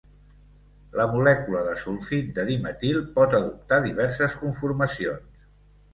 La molècula de sulfit de dimetil pot adoptar diverses conformacions.